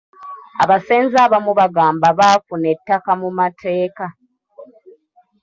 Abasenze abamu bagamba baafuna ettaka mu mateeka.